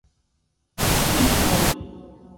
piro